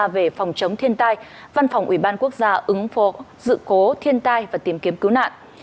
về phòng chống thiên tai văn phòng ủy ban quốc gia ứng phó sự cố thiên tai và tìm kiếm cứu nạn